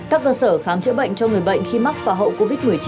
các cơ sở khám chữa bệnh cho người bệnh khi mắc và hậu covid một mươi chín